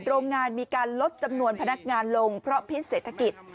โรงงานมีการลดจำนวนพนักงานลงเพราะพิษเศรษฐกิจ